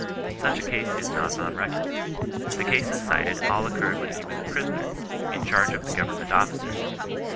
Such a case is not on record. The cases cited all occurred when he was a prisoner, in charge of the government officers.